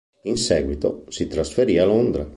In seguito si trasferì a Londra.